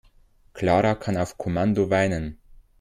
Clara kann auf Kommando weinen.